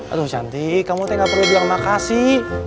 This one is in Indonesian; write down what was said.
aduh cantik kamu tuh gak perlu bilang makasih